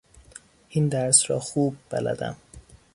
این درس را خوب بلدم.